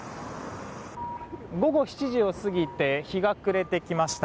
午後７時を過ぎて日が暮れてきました。